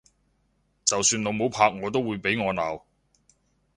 就算老母拍我都會俾我鬧！